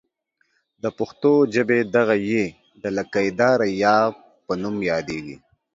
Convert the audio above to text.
د پښتو ژبې دغه ۍ د لکۍ داره یا په نوم یادیږي.